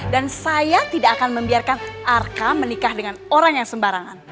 dan saya tidak akan membiarkan arka menikah dengan orang yang sembarangan